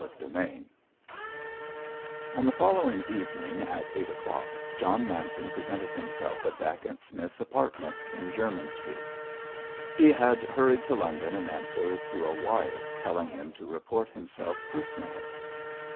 CHAPTER XVIII On the following evening, at eight o'clock, John Manton presented himself at Dacent Smith's apartment in Jermyn Street. He had hurried to London in answer to a wire, telling him to report himself personally.